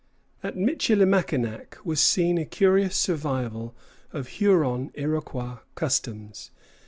At Michilimackinac was seen a curious survival of Huron Iroquois customs.